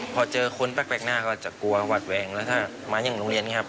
พอเจอคนแปลกหน้าก็จะกลัวหวัดแวงแล้วถ้ามาอย่างโรงเรียนครับ